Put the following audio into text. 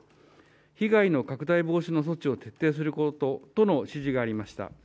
被害の拡大防止措置を策定することとの指示がありました。